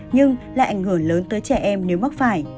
nhưng lại ảnh hưởng lớn tới trẻ em nếu mắc phải